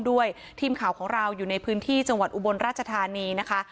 ด้วยทีมข่าวของเราอยู่ในพื้นที่จังหวัดอุบลราชธานีนะคะ